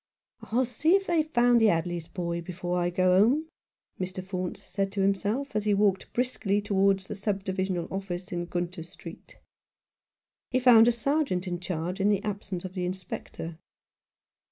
" I'll see if they've found Hadley's boy before I go home," Mr. Faunce said to himself as he walked briskly towards the sub divisional office in Gunter Street. He found a Sergeant in charge in the absence of the Inspector.